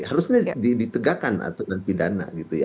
maksudnya ditegakkan atur dan pidana